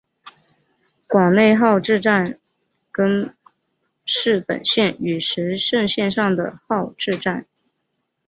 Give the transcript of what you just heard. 广内号志站根室本线与石胜线上的号志站。